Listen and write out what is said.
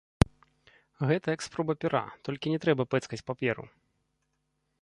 Гэта як спроба пяра, толькі не трэба пэцкаць паперу.